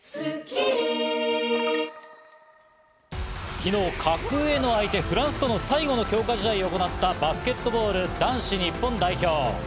昨日、格上の相手、フランスとの最後の強化試合を行ったバスケットボール男子日本代表。